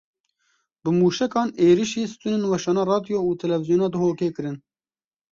Bi mûşekan êrişî stûnên weşana radyo û televîzyona Duhokê kirin.